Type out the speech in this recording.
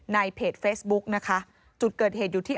ในเพจเฟซบุ๊กนะคะจุดเกิดเหตุอยู่ที่